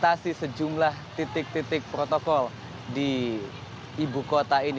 kita akan memberikan sejumlah titik titik protokol di ibu kota ini